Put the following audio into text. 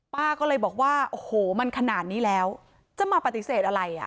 ป้าก็เลยบอกว่าโอ้โหมันขนาดนี้แล้วจะมาปฏิเสธอะไรอ่ะ